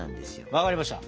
分かりました。